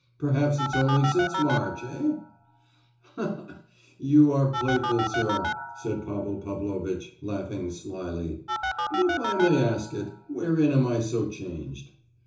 "Perhaps it's only since March, eh?" "Ha ha! you are playful, sir," said Pavel Pavlovitch, laughing slyly. "But, if I may ask it, wherein am I so changed?"